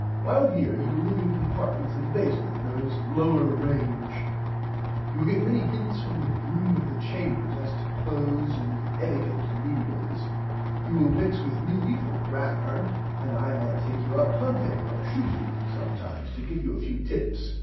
While here you will live in compartments in the basement known as Lower Range. You will get many hints from the Groom of the Chambers as to clothes and [Pg 57] ettiquett to menials. You will mix with me for grammer and I might take you out hunting or shooting sometimes to give you a few tips.